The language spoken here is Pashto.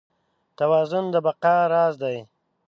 توازن د بقا راز دی.